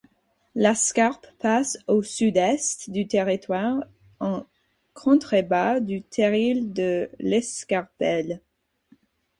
La Scarpe passe au sud-est du territoire en contrebas du terril de l'Escarpelle.